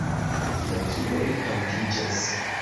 Klakiloj aŭdiĝas.